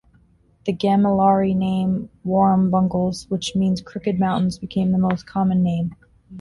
The Gamilaroi name Warrumbungles which means 'crooked mountains' became the most common name.